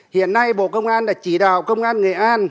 hiện nay bộ công an đã chỉ đạo công an nghệ an